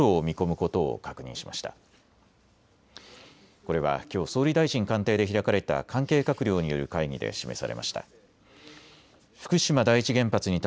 これはきょう総理大臣官邸で開かれた関係閣僚による会議で示されました。